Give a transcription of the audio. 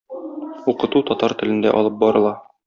Укыту татар телендә алып барыла.